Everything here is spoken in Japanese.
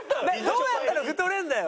どうやったら太れるんだよ？